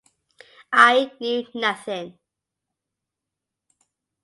I knew nothing.